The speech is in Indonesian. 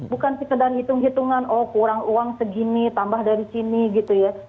bukan sekedar hitung hitungan oh kurang uang segini tambah dari sini gitu ya